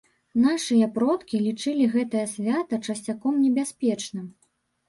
Нашыя продкі лічылі гэтае свята часцяком небяспечным.